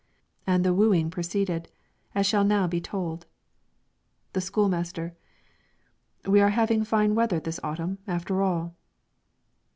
And the wooing proceeded as shall now be told. The school master: "We are having fine weather this autumn, after all."